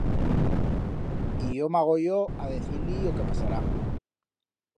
Y yo m'agoyo a decir-li o que pasará.